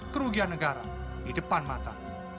kerugian negara di depan mata